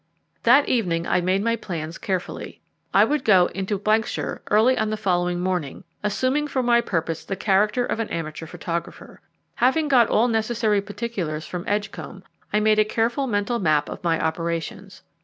That evening I made my plans carefully. I would go into shire early on the following morning, assuming for my purpose the character of an amateur photographer. Having got all necessary particulars from Edgcombe, I made a careful mental map of my operations.